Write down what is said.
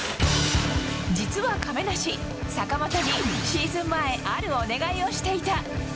実は亀梨、坂本にシーズン前、あるお願いをしていた。